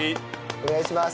お願いします。